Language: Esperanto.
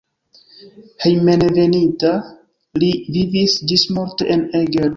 Hejmenveninta li vivis ĝismorte en Eger.